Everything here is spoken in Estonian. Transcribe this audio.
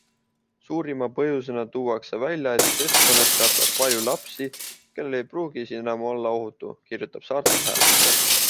Suurima põhjusena tuuakse välja, et keskkonnas kasvab palju lapsi, kellel ei pruugi siin enam olla ohutu, kirjutab Saarte Hääl.